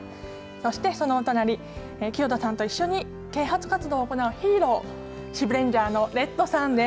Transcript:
そして、そのお隣清田さんと一緒に啓発活動を行うヒーローシブレンジャーのレッドさんです。